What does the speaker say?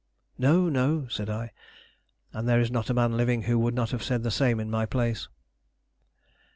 "No, no," said I; and there is not a man living who would not have said the same in my place.